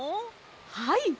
はい。